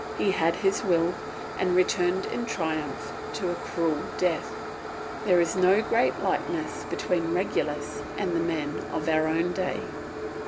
He had his will, and returned in triumph to a cruel death. There is no great likeness between Regulus and the men of our own day.